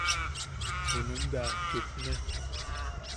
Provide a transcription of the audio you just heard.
Junum bea chupne.